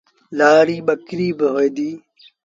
لآڙيٚ ٻڪريݩ با هوئين ديٚݩ ۔